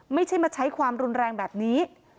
ไม่ใช่มาใช้ความรุนแรงแบบนี้